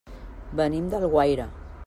Venim d'Alguaire.